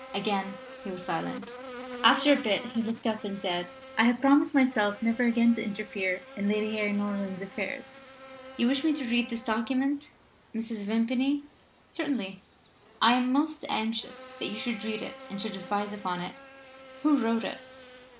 "Again he was silent. "After a bit he looked up and said, 'I had promised myself never again to interfere in Lady Harry Norland's affairs. You wish me to read this document, Mrs. Vimpany?" "'Certainly; I am most anxious that you should read it and should advise upon it.' "'Who wrote it?'